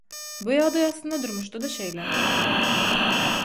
Bu ýagdaý aslynda durmuşda-da şeýle.